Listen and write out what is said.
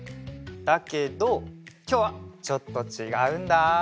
だけどきょうはちょっとちがうんだ。